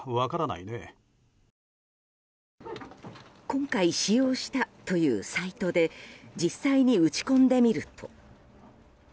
今回使用したというサイトで実際に打ち込んでみると。